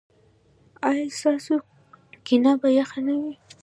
ایا ستاسو کینه به یخه نه وي؟